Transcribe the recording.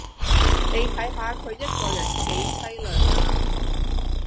你睇下佢一個人幾淒涼呀